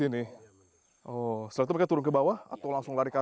ini tempat kubangan babi ya